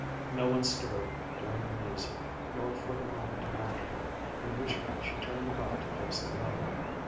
No one stirred during the music nor for the moment afterward, in which she turned about to face the room.